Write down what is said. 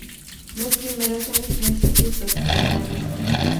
Los primeros son los principios doctrinales.